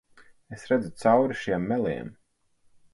Es redzu cauri šiem meliem.